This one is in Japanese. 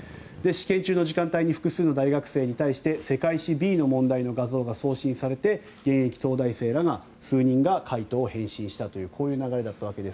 試験中の時間帯に複数の大学生に対して世界史２の問題の画像が送信されて現役東大生ら数人が解答を返信したという流れでしたが。